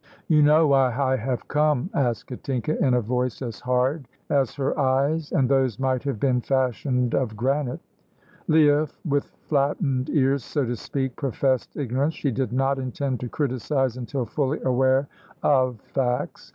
"You know why I have come?" asked Katinka, in a voice as hard as her eyes, and those might have been fashioned of granite. Leah, with flattened ears, so to speak, professed ignorance. She did not intend to criticise until fully aware of facts.